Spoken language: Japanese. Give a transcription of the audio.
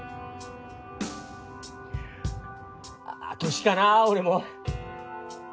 あぁ年かな俺も。